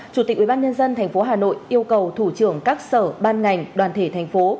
chủ tịch ubnd tp hà nội yêu cầu thủ trưởng các sở ban ngành đoàn thể thành phố